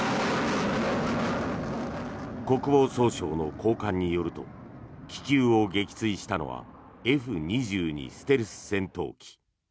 国防総省の高官によると気球を撃墜したのはＦ２２ステルス戦闘機。